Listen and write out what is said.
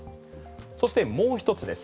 そしてもう一つです。